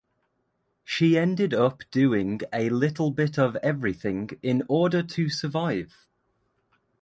She ended up doing "a little bit of everything" in order to survive.